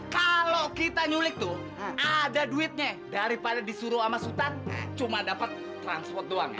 kalau kita nyulik tuh ada duitnya daripada disuruh sama sutan cuma dapat transport doangnya